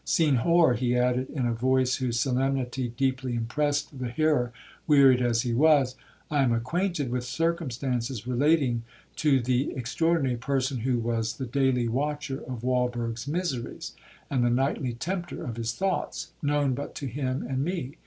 'Senhor,' he added, in a voice whose solemnity deeply impressed the hearer, wearied as he was,—'I am acquainted with circumstances relating to the extraordinary person who was the daily watcher of Walberg's miseries, and the nightly tempter of his thoughts,—known but to him and me.